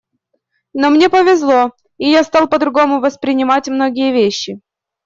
Но мне повезло, и я стал по-другому воспринимать многие вещи.